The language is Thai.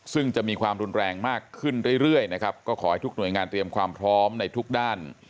ซึ่งจะมีความรุนแรงมากขึ้นเรื่อยนะครับก็ขอให้ทุกหน่วยงานเตรียมความพร้อมในทุกด้าน